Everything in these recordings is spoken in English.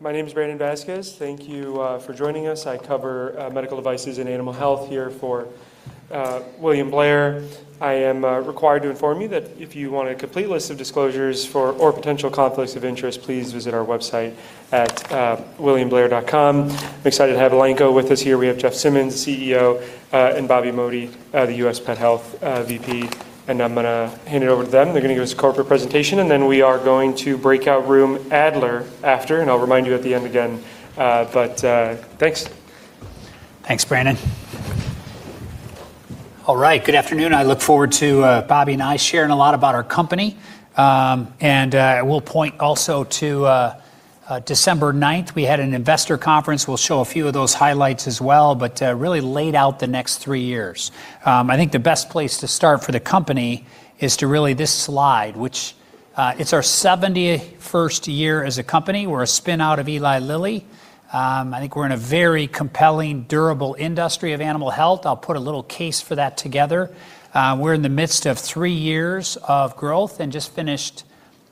My name is Brandon Vazquez. Thank you for joining us. I cover medical devices and animal health here for William Blair. I am required to inform you that if you want a complete list of disclosures or potential conflicts of interest, please visit our website at williamblair.com. I'm excited to have Elanco with us here. We have Jeff Simmons, CEO, and Bobby Modi, the U.S. Pet Health VP, and I'm going to hand it over to them. They're going to give us a corporate presentation, and then we are going to breakout room Adler after, and I'll remind you at the end again. Thanks. Thanks, Brandon. All right. Good afternoon. I look forward to Bobby and I sharing a lot about our company. We'll point also to December 9th. We had an investor conference. We'll show a few of those highlights as well but really laid out the next three years. I think the best place to start for the company is to really this slide, which it's our 71st year as a company. We're a spin-out of Eli Lilly. I think we're in a very compelling, durable industry of animal health. I'll put a little case for that together. We're in the midst of three years of growth and just finished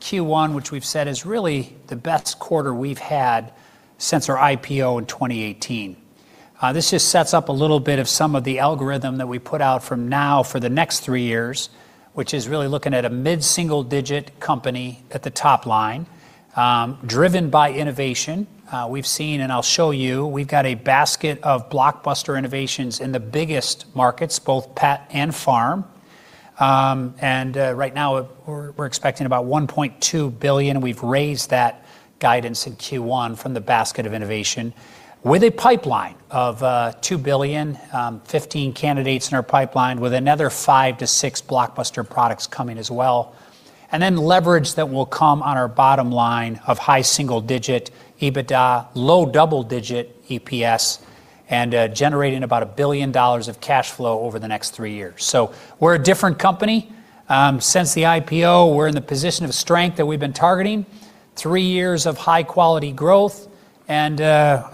Q1, which we've said is really the best quarter we've had since our IPO in 2018. This just sets up a little bit of some of the algorithms that we put out from now for the next three years, which is really looking at a mid-single-digit company at the top line, driven by innovation. We've seen, I'll show you. We've got a basket of blockbuster innovations in the biggest markets, both pet and farm. Right now we're expecting about $1.2 billion. We've raised that guidance in Q1 from the basket of innovation with a pipeline of $2 billion, 15 candidates in our pipeline with another five to six blockbuster products coming as well. Leverage that will come on our bottom line of high single-digit EBITDA, low double-digit EPS, and generating about $1 billion of cash flow over the next three years. We're a different company. Since the IPO, we're in the position of strength that we've been targeting. Three years of high-quality growth and,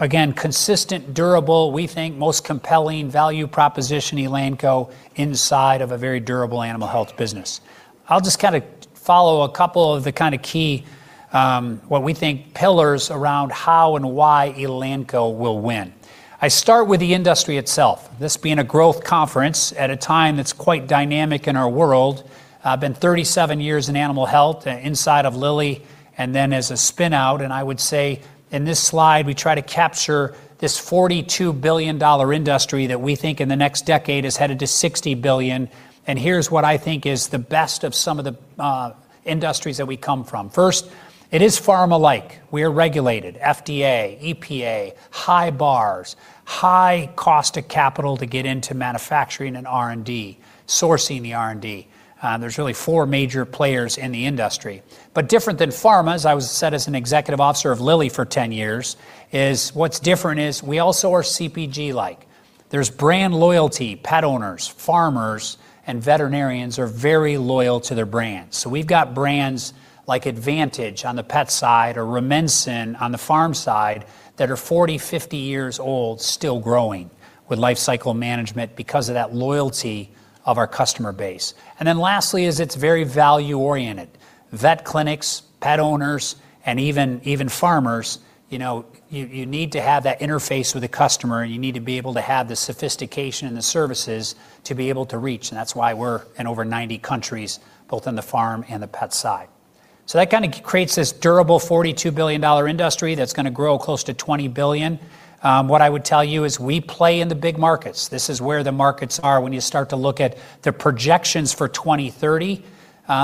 again, consistent, durable, we think most compelling value proposition, Elanco, inside of a very durable animal health business. I'll just follow a couple of the key what we think pillars around how and why Elanco will win. I start with the industry itself. This being a growth conference at a time that's quite dynamic in our world. It's been 37 years in animal health inside of Lilly and then as a spin-out. I would say in this slide, we try to capture this $42 billion industry that we think in the next decade is headed to $60 billion. Here's what I think is the best of some of the industries that we come from. First, it is pharma-like. We are regulated, FDA, EPA, high bars. High cost of capital to get into manufacturing and R&D, sourcing the R&D. There's really four major players in the industry. Different than pharma, as I was set as an executive officer of Lilly for 10 years, is what's different is we also are CPG-like. There's brand loyalty. Pet owners, farmers, and veterinarians are very loyal to their brands. We've got brands like Advantage on the pet side or Rumensin on the farm side that are 40, 50 years old, still growing with life cycle management because of that loyalty of our customer base. Lastly is it's very value-oriented. Vet clinics, pet owners, and even farmers, you need to have that interface with the customer, and you need to be able to have the sophistication and the services to be able to reach, and that's why we're in over 90 countries, both on the farm and the pet side. That kind of creates this durable $42 billion industry that's going to grow close to $20 billion. What I would tell you is we play in the big markets. This is where the markets are when you start to look at the projections for 2030.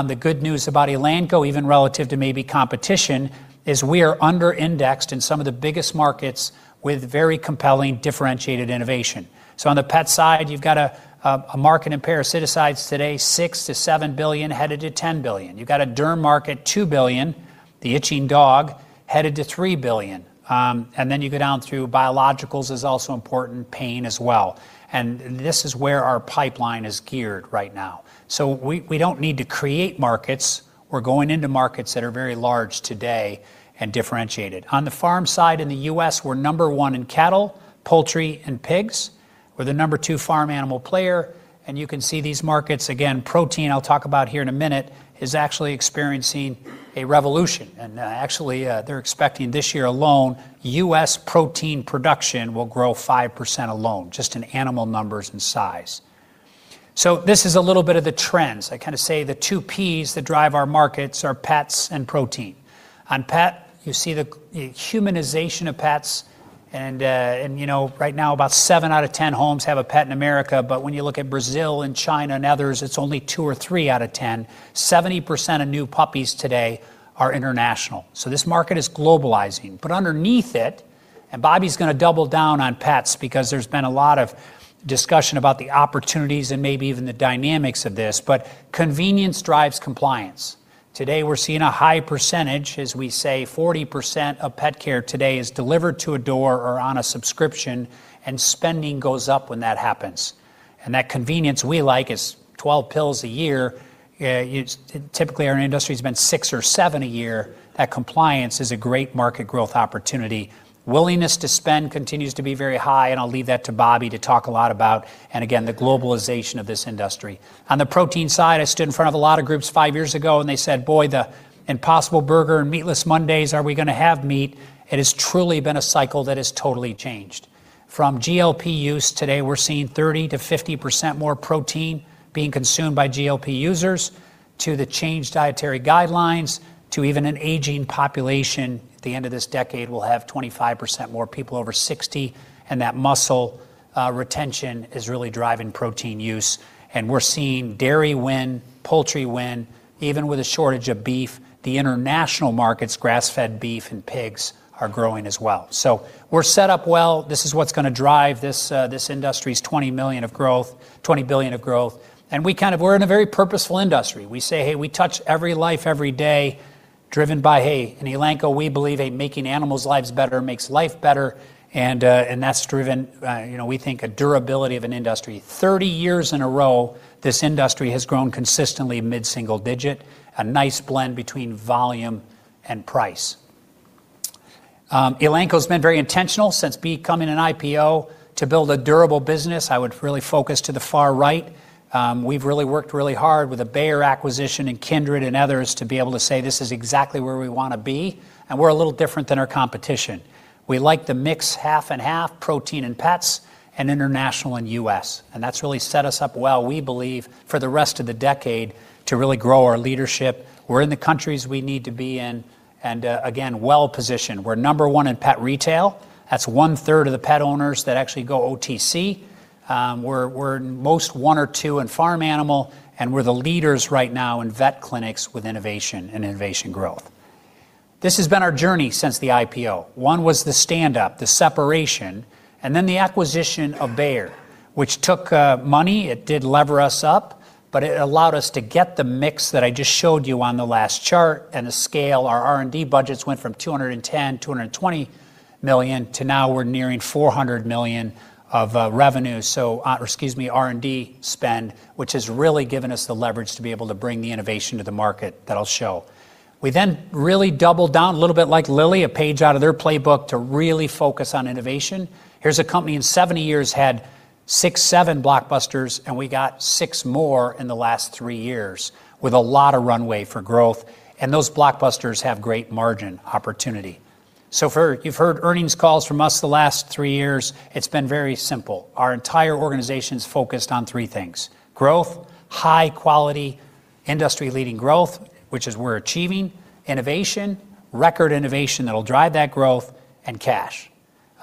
The good news about Elanco, even relative to maybe competition, is we are under-indexed in some of the biggest markets with very compelling, differentiated innovation. On the pet side, you've got a market in parasiticides today, $6 billion-$7 billion, headed to $10 billion. You've got a derm market, $2 billion, the itching dog, headed to $3 billion. You go down through biologicals is also important, pain as well. This is where our pipeline is geared right now. We don't need to create markets. We're going into markets that are very large today and differentiated. On the farm side in the U.S., we're number one in cattle, poultry, and pigs. We're the number two farm animal player. You can see these markets. Again, protein, I'll talk about here in a minute, is actually experiencing a revolution. Actually, they're expecting this year alone, U.S. protein production will grow 5% alone, just in animal numbers and size. This is a little bit of the trends. I say the 2 Ps that drive our markets are pets and protein. On pet, you see the humanization of pets, and right now about seven out of 10 homes have a pet in America, but when you look at Brazil and China and others, it's only two or three out of 10. 70% of new puppies today are international. This market is globalizing. Underneath it, Bobby's going to double down on pets because there's been a lot of discussion about the opportunities and maybe even the dynamics of this, but convenience drives compliance. Today, we're seeing a high percentage, as we say, 40% of pet care today is delivered to a door or on a subscription, and spending goes up when that happens. That convenience we like is 12 pills a year. Typically, our industry's been six or seven a year. That compliance is a great market growth opportunity. Willingness to spend continues to be very high, and I'll leave that to Bobby to talk a lot about. Again, the globalization of this industry. On the protein side, I stood in front of a lot of groups five years ago, and they said, "Boy, the Impossible Burger and Meatless Monday, are we going to have meat?" It has truly been a cycle that has totally changed. From GLP use today, we're seeing 30%-50% more protein being consumed by GLP users, to the changed dietary guidelines, to even an aging population. At the end of this decade, we'll have 25% more people over 60, and that muscle retention is really driving protein use. We're seeing dairy win, poultry win. Even with a shortage of beef, the international markets, grass-fed beef, and pigs are growing as well. We're set up well. This is what's going to drive this industry's $20 billion of growth. We're in a very purposeful industry. We say, "Hey, we touch every life, every day," driven by, hey, in Elanco, we believe that making animals' lives better makes life better, and that's driven, we think, a durability of an industry. 30 years in a row, this industry has grown consistently mid-single digits, a nice blend between volume and price. Elanco's been very intentional since becoming an IPO to build a durable business. I would really focus to the far right. We've really worked really hard with the Bayer acquisition and Kindred and others to be able to say, "This is exactly where we want to be," and we're a little different than our competition. We like to mix half and half protein and pets and international and U.S., and that's really set us up well, we believe, for the rest of the decade to really grow our leadership. We're in the countries we need to be in and, again, well-positioned. We're number one in pet retail. That's 1/3 of the pet owners that actually go OTC. We're most one or two in farm animals. We're the leaders right now in vet clinics with innovation and innovation growth. This has been our journey since the IPO. One was the stand-up, the separation, and then the acquisition of Bayer, which took money. It did lever us up, but it allowed us to get the mix that I just showed you on the last chart and the scale. Our R&D budgets went from $210 million, $220 million to now we're nearing $400 million of R&D spend, which has really given us the leverage to be able to bring the innovation to the market that I'll show. We then really doubled down, a little bit like Lilly, a page out of their playbook to really focus on innovation. Here's a company in 70 years, had six, seven blockbusters, and we got six more in the last three years with a lot of runway for growth, and those blockbusters have great margin opportunity. If you've heard earnings calls from us the last three years, it's been very simple. Our entire organization's focused on three things: growth, high-quality, industry-leading growth, which is we're achieving; innovation, record innovation that'll drive that growth; and cash.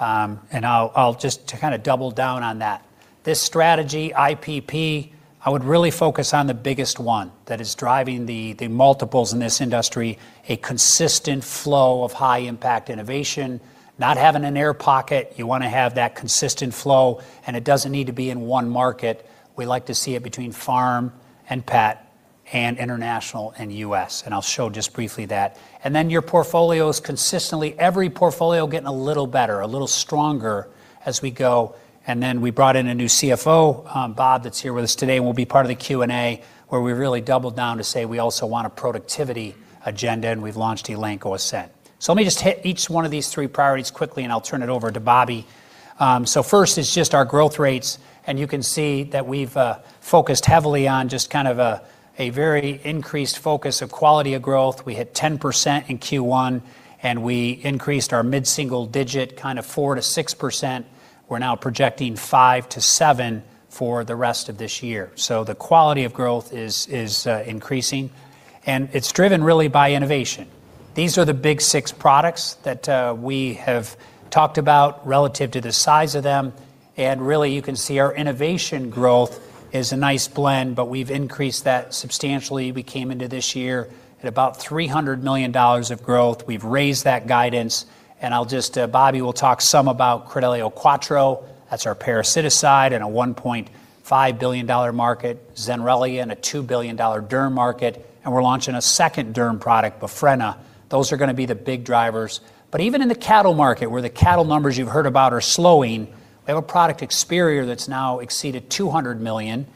I'll just to double down on that. This strategy, IPP, I would really focus on the biggest one that is driving the multiples in this industry, a consistent flow of high-impact innovation, not having an air pocket. You want to have that consistent flow, and it doesn't need to be in one market. We like to see it between farm and pet and international and U.S.; I'll show just briefly that. Your portfolios consistently, every portfolio getting a little better, a little stronger as we go. We brought in a new CFO, Bob, that's here with us today and will be part of the Q&A, where we really doubled down to say we also want a productivity agenda, and we've launched Elanco Ascend. Let me just hit each one of these three priorities quickly; I'll turn it over to Bobby. First is just our growth rates, and you can see that we've focused heavily on just kind of a very increased focus of quality of growth. We hit 10% in Q1; we increased our mid-single digits 4%-6%. We're now projecting 5%-7% for the rest of this year. The quality of growth is increasing, and it's driven really by innovation. These are the big six products that we have talked about relative to the size of them. Really, you can see our innovation growth is a nice blend, but we've increased that substantially. We came into this year at about $300 million of growth. We've raised that guidance. Bobby will talk some about Credelio Quattro. That's our parasiticide in a $1.5 billion market, Zenrelia in a $2 billion derm market, and we're launching a second derm product, Befrena. Those are going to be the big drivers. Even in the cattle market, where the cattle numbers you've heard about are slowing, we have a product, Experior, that's now exceeded $200 million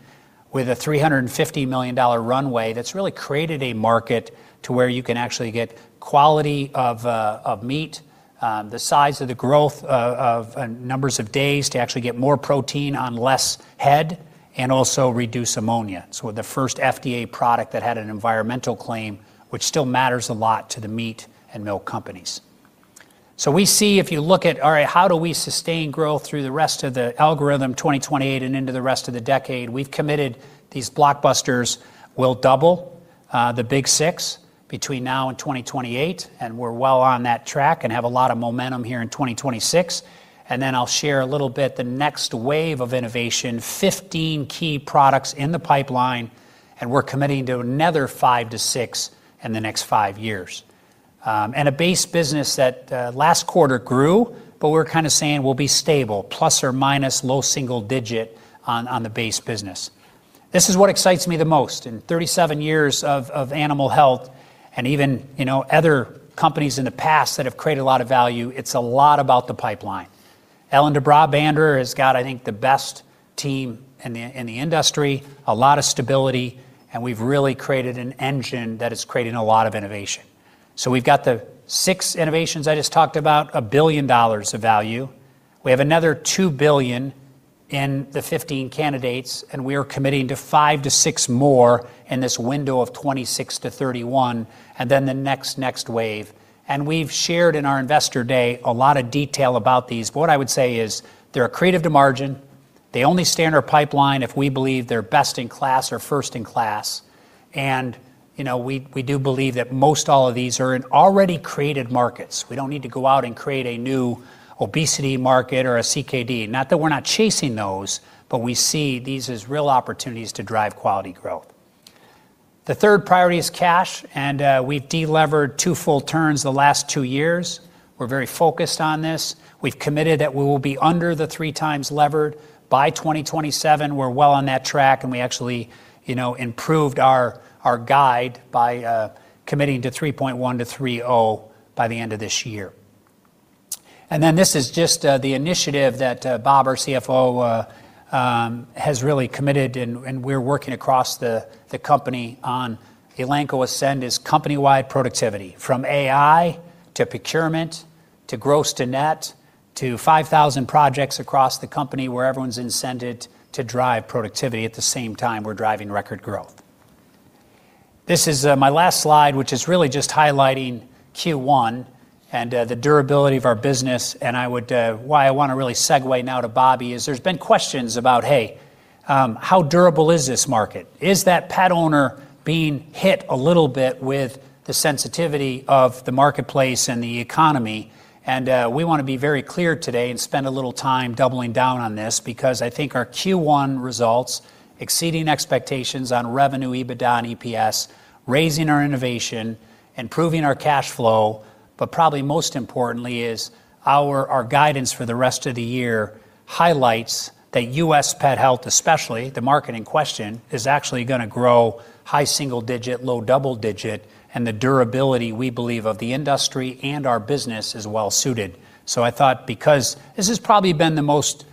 with a $350 million runway that's really created a market to where you can actually get quality of meat, the size of the growth of numbers of days to actually get more protein on less head, and also reduce ammonia. We're the first FDA product that had an environmental claim, which still matters a lot to the meat and milk companies. We see if you look at, all right, how do we sustain growth through the rest of the algorithm 2028 and into the rest of the decade? We've committed these blockbusters will double the big six between now and 2028, and we're well on that track and have a lot of momentum here in 2026. Then I'll share a little bit the next wave of innovation, 15 key products in the pipeline, and we're committing to another five to six in the next five years. A base business that last quarter grew, but we're kind of saying will be stable, plus or minus low single digit on the base business. This is what excites me the most. In 37 years of animal health and even other companies in the past that have created a lot of value, it's a lot about the pipeline. Ellen de Brabander has got, I think, the best team in the industry, a lot of stability, and we've really created an engine that is creating a lot of innovation. We've got the six innovations I just talked about, $1 billion of value. We have another $2 billion in the 15 candidates, and we are committing to five to six more in this window of 26 to 31, and then the next wave. We've shared in our investor day a lot of detail about these, but what I would say is they're accretive to margin. They only stay in our pipeline if we believe they're best in class or first in class. We do believe that most all of these are in already created markets. We don't need to go out and create a new obesity market or a CKD. Not that we're not chasing those, but we see these as real opportunities to drive quality growth. The third priority is cash. We've delevered two full turns the last two years. We're very focused on this. We've committed that we will be under the three times levered by 2027. We're well on that track. We actually improved our guide by committing to 3.1 to 3.0 by the end of this year. This is just the initiative that Bob, our CFO, has really committed and we're working across the company on Elanco Ascend is company-wide productivity, from AI to procurement to gross to net to 5,000 projects across the company where everyone's incented to drive productivity. At the same time, we're driving record growth. This is my last slide, which is really just highlighting Q1 and the durability of our business. Why I want to really segue now to Bobby is there's been questions about, hey, how durable is this market? Is that pet owner being hit a little bit with the sensitivity of the marketplace and the economy? We want to be very clear today and spend a little time doubling down on this because I think our Q1 results exceeding expectations on revenue, EBITDA, and EPS; raising our innovation; and improving our cash flow, but probably most importantly is our guidance for the rest of the year highlights that U.S. Pet Health, especially the market in question, is actually going to grow high single digit, low double digit, and the durability, we believe, of the industry and our business is well suited. I thought because this has probably been the most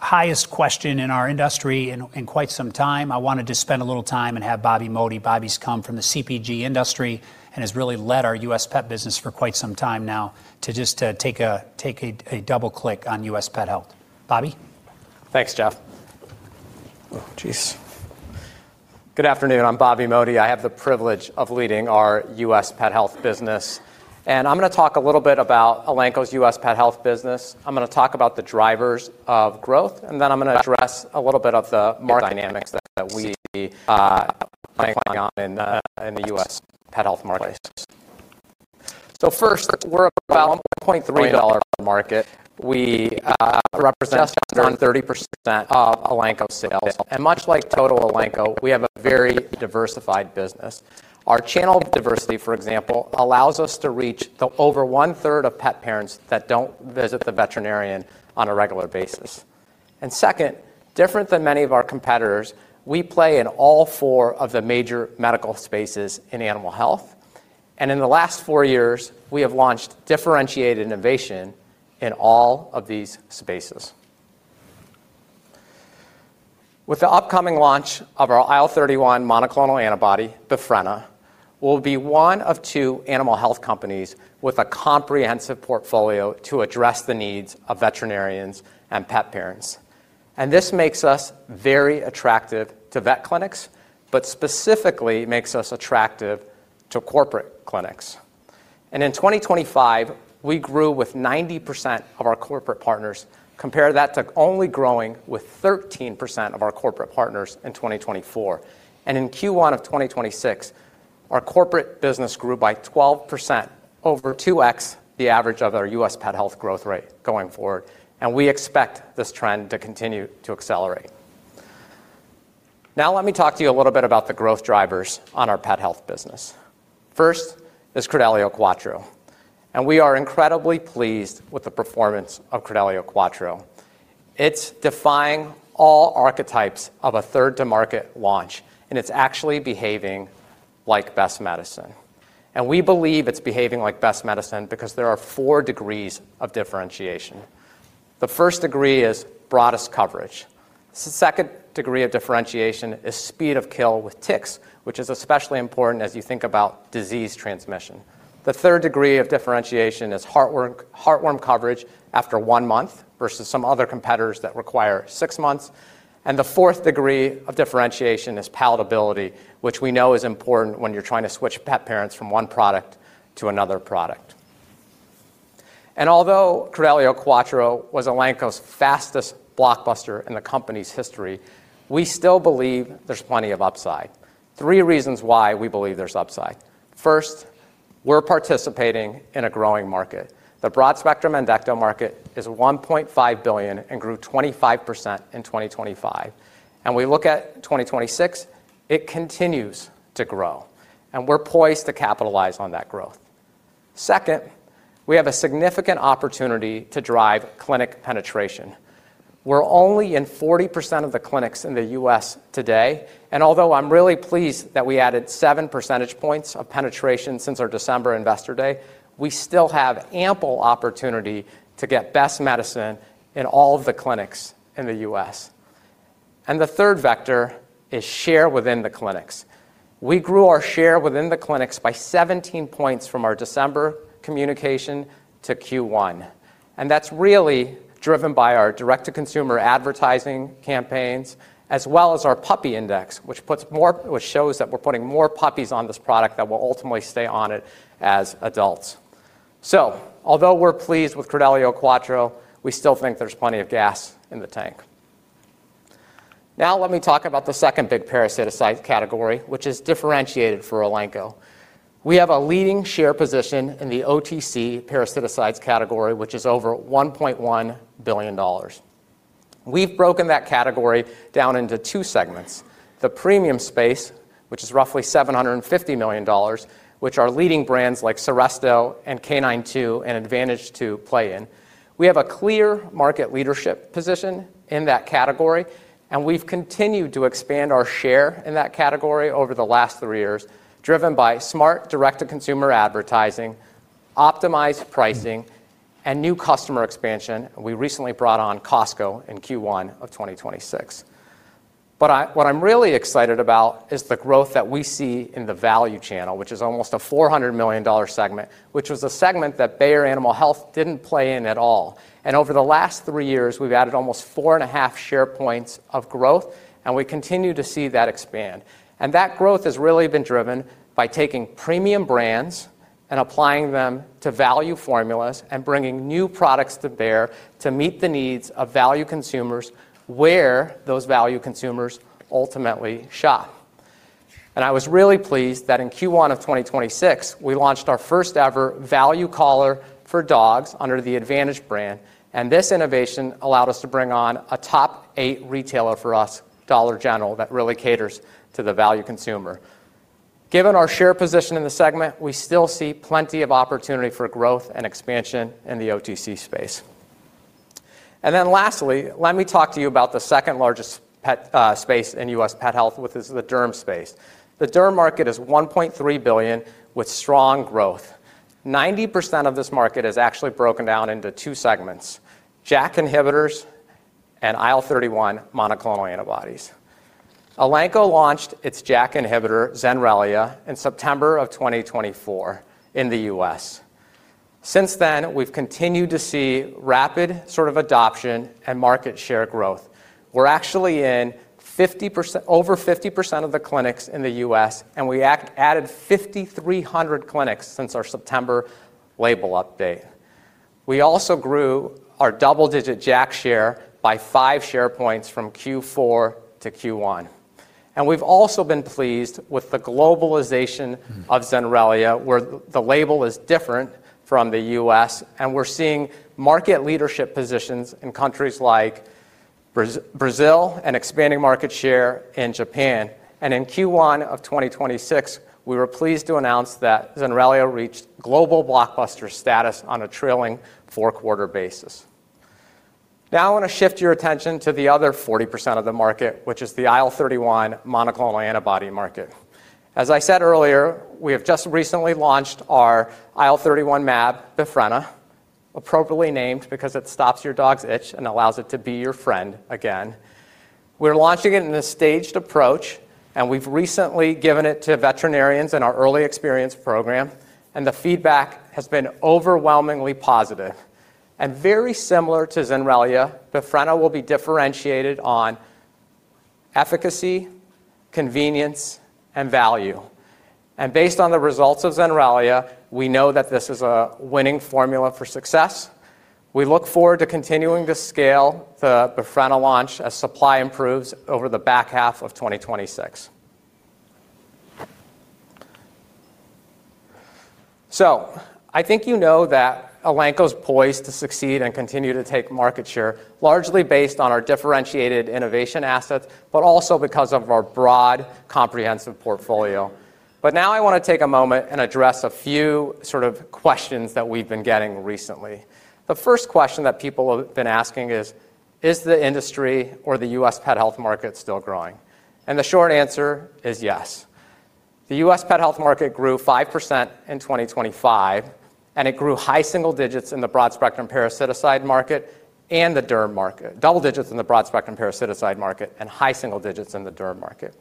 highest question in our industry in quite some time, I wanted to spend a little time and have Bobby Modi. Bobby's come from the CPG industry and has really led our U.S. pet business for quite some time now to just take a double-click on U.S. Pet Health. Bobby? Thanks, Jeff. Oh, jeez. Good afternoon. I'm Bobby Modi. I have the privilege of leading our U.S. pet health business. I'm going to talk a little bit about Elanco's U.S. pet health business. I'm going to talk about the drivers of growth, and then I'm going to address a little bit of the market dynamics that we see playing out in the U.S. pet health marketplace. First, we're about a $4.3 market. We represent just under 30% of Elanco sales. Much like total Elanco, we have a very diversified business. Our channel diversity, for example, allows us to reach the over one-third of pet parents that don't visit the veterinarian on a regular basis. Second, different than many of our competitors, we play in all four of the major medical spaces in animal health. In the last four years, we have launched differentiated innovation in all of these spaces. With the upcoming launch of our IL-31 monoclonal antibody, Befrena, we'll be one of two animal health companies with a comprehensive portfolio to address the needs of veterinarians and pet parents. This makes us very attractive to vet clinics but specifically makes us attractive to corporate clinics. In 2025, we grew with 90% of our corporate partners. Compare that to only growing with 13% of our corporate partners in 2024. In Q1 of 2026, our corporate business grew by 12%, over 2x the average of our U.S. Pet Health growth rate going forward. We expect this trend to continue to accelerate. Now let me talk to you a little bit about the growth drivers on our pet health business. First is Credelio Quattro. We are incredibly pleased with the performance of Credelio Quattro. It's defying all archetypes of a third-to-market launch, and it's actually behaving like best medicine. We believe it's behaving like best medicine because there are four degrees of differentiation. The first degree is broadest coverage. The second degree of differentiation is speed of kill with ticks, which is especially important as you think about disease transmission. The third degree of differentiation is heartworm coverage after one month versus some other competitors that require six months. The fourth degree of differentiation is palatability, which we know is important when you're trying to switch pet parents from one product to another product. Although Credelio Quattro was Elanco's fastest blockbuster in the company's history, we still believe there's plenty of upside. Three reasons why we believe there's upside. First, we're participating in a growing market. The broad-spectrum endecto market is $1.5 billion and grew 25% in 2025. We look at 2026; it continues to grow. We're poised to capitalize on that growth. Second, we have a significant opportunity to drive clinic penetration. We're only in 40% of the clinics in the U.S. today, and although I'm really pleased that we added seven percentage points of penetration since our December investor day, we still have ample opportunity to get best medicine in all of the clinics in the U.S. The third vector is share within the clinics. We grew our share within the clinics by 17 points from our December communication to Q1, and that's really driven by our direct-to-consumer advertising campaigns as well as our puppy index, which shows that we're putting more puppies on this product that will ultimately stay on it as adults. Although we're pleased with Credelio Quattro, we still think there's plenty of gas in the tank. Let me talk about the second big parasiticide category, which is differentiated for Elanco. We have a leading share position in the OTC parasiticides category, which is over $1.1 billion. We've broken that category down into two segments, the premium space, which is roughly $750 million, which our leading brands like Simparica Trio and K9 Advantix II and Advantage II play in. We have a clear market leadership position in that category, and we've continued to expand our share in that category over the last three years, driven by smart direct-to-consumer advertising, optimized pricing, and new customer expansion. We recently brought on Costco in Q1 of 2026. What I'm really excited about is the growth that we see in the value channel, which is almost a $400 million segment, which was a segment that Bayer Animal Health didn't play in at all. Over the last three years, we've added almost four and a half share points of growth, and we continue to see that expand. That growth has really been driven by taking premium brands and applying them to value formulas and bringing new products to Bayer to meet the needs of value consumers where those value consumers ultimately shop. I was really pleased that in Q1 of 2026, we launched our first-ever value collar for dogs under the Advantage brand, and this innovation allowed us to bring on a top-eight retailer for us, Dollar General, that really caters to the value consumer. Given our share position in the segment, we still see plenty of opportunity for growth and expansion in the OTC space. Lastly, let me talk to you about the second largest pet space in U.S. pet health, which is the derm space. The derm market is $1.3 billion with strong growth. 90% of this market is actually broken down into two segments, JAK inhibitors and IL-31 monoclonal antibodies. Elanco launched its JAK inhibitor, Zenrelia, in September of 2024 in the U.S. Since then, we've continued to see rapid adoption and market share growth. We're actually in over 50% of the clinics in the U.S., and we added 5,300 clinics since our September label update. We also grew our double-digit JAK share by five share points from Q4 to Q1. We've also been pleased with the globalization of Zenrelia, where the label is different from the U.S., and we're seeing market leadership positions in countries like Brazil and expanding market share in Japan. In Q1 of 2026, we were pleased to announce that Zenrelia reached global blockbuster status on a trailing four-quarter basis. Now I want to shift your attention to the other 40% of the market, which is the IL-31 monoclonal antibody market. As I said earlier, we have just recently launched our IL-31 mAb, Befrena, appropriately named because it stops your dog's itch and allows it to be your friend again. We're launching it in a staged approach, and we've recently given it to veterinarians in our early experience program, and the feedback has been overwhelmingly positive. Very similar to Zenrelia, Befrena will be differentiated on efficacy, convenience, and value. Based on the results of Zenrelia, we know that this is a winning formula for success. We look forward to continuing to scale the Befrena launch as supply improves over the back half of 2026. I think you know that Elanco is poised to succeed and continue to take market share, largely based on our differentiated innovation assets, but also because of our broad, comprehensive portfolio. Now I want to take a moment and address a few questions that we've been getting recently. The first question that people have been asking is the industry, or the U.S. pet health market, still growing? The short answer is yes. The U.S. pet health market grew 5% in 2025, and it grew double digits in the broad-spectrum parasiticide market and high single digits in the derm market.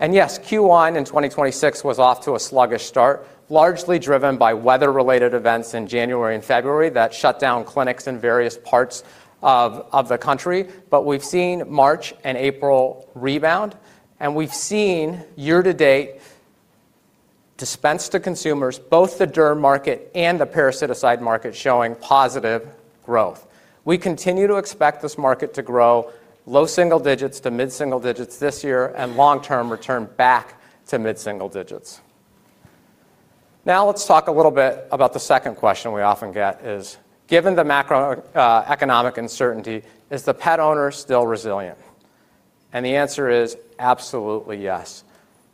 Yes, Q1 in 2026 was off to a sluggish start, largely driven by weather-related events in January and February that shut down clinics in various parts of the country. We've seen March and April rebound, and we've seen year-to-date dispense to consumers, both the derm market and the parasiticide market, showing positive growth. We continue to expect this market to grow low single digits to mid-single digits this year and long-term returns back to mid-single digits. Let's talk a little bit about the second question we often get is, given the macroeconomic uncertainty, is the pet owner still resilient? The answer is absolutely yes.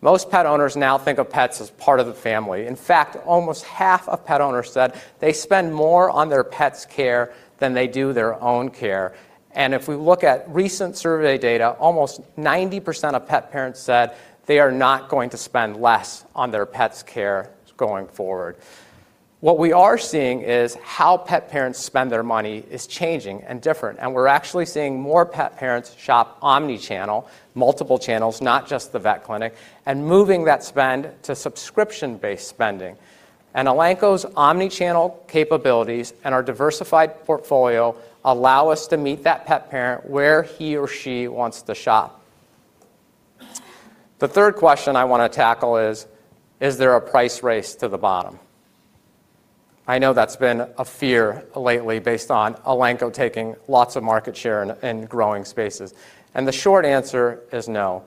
Most pet owners now think of pets as part of the family. In fact, almost half of pet owners said they spend more on their pet's care than they do their own care. If we look at recent survey data, almost 90% of pet parents said they are not going to spend less on their pet's care going forward. What we are seeing is how pet parents spend their money is changing and different, and we're actually seeing more pet parents shop omni-channel, multiple channels, not just the vet clinic, and moving that spend to subscription-based spending. Elanco's omni-channel capabilities and our diversified portfolio allow us to meet that pet parent where he or she wants to shop. The third question I want to tackle is, is there a price race to the bottom? I know that's been a fear lately based on Elanco taking lots of market share in growing spaces. The short answer is no.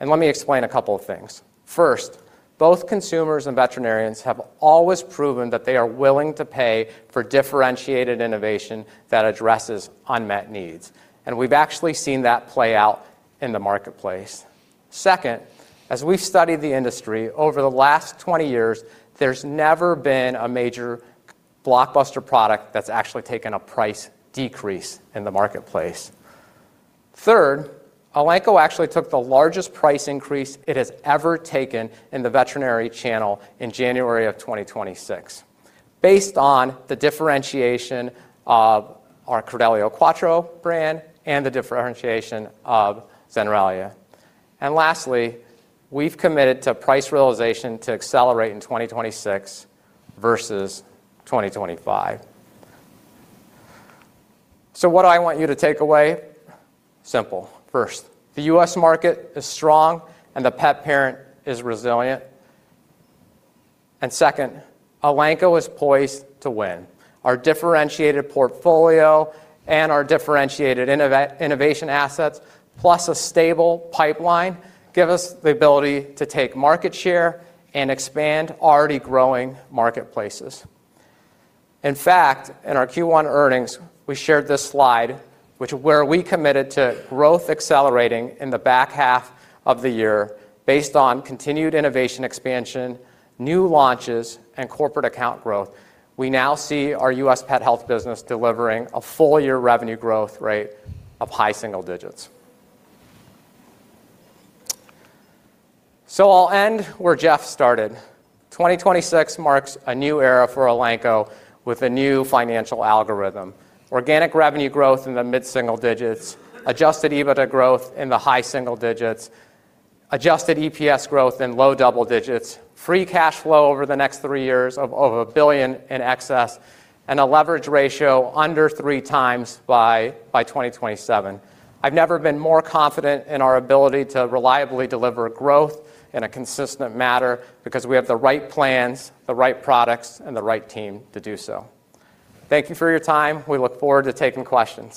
Let me explain a couple of things. First, both consumers and veterinarians have always proven that they are willing to pay for differentiated innovation that addresses unmet needs. We've actually seen that play out in the marketplace. Second, as we've studied the industry over the last 20 years, there's never been a major blockbuster product that's actually taken a price decrease in the marketplace. Third, Elanco actually took the largest price increase it has ever taken in the veterinary channel in January of 2026 based on the differentiation of our Credelio Quattro brand and the differentiation of Zenrelia. Lastly, we've committed to price realization to accelerate in 2026 versus 2025. What do I want you to take away? Simple. First, the U.S. market is strong, and the pet parent is resilient. Second, Elanco is poised to win. Our differentiated portfolio and our differentiated innovation assets, plus a stable pipeline, give us the ability to take market share and expand already growing marketplaces. In fact, in our Q1 earnings, we shared this slide, where we committed to growth accelerating in the back half of the year based on continued innovation expansion, new launches, and corporate account growth. We now see our U.S. pet health business delivering a full-year revenue growth rate of high single digits. I'll end where Jeff started. 2026 marks a new era for Elanco with a new financial algorithm. Organic revenue growth in the mid-single digits, adjusted EBITDA growth in the high single digits, adjusted EPS growth in low double digits, free cash flow over the next three years of over $1 billion in excess, and a leverage ratio under three times by 2027. I've never been more confident in our ability to reliably deliver growth in a consistent manner because we have the right plans, the right products, and the right team to do so. Thank you for your time. We look forward to taking questions.